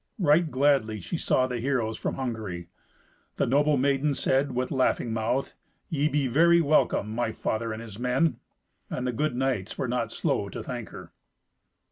Right gladly she saw the heroes from Hungary. The noble maiden said, with laughing mouth, "Ye be very welcome, my father and his men." And the good knights were not slow to thank her.